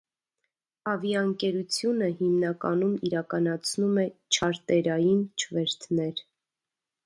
Ավիաընկերությունը հիմնականում իրականացնում է չարտերային չվերթներ։